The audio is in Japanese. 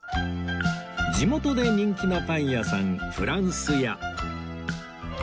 地元で人気のパン屋さんふらんすや